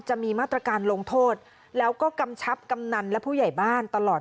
จะมีมาตรการลงโทษแล้วก็กำชับกำนันและผู้ใหญ่บ้านตลอด